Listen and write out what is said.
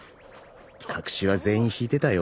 隠は全員ひいてたよ。